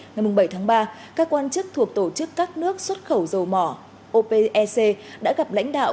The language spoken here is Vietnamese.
ngày bảy tháng ba các quan chức thuộc tổ chức các nước xuất khẩu dầu mỏ opec đã gặp lãnh đạo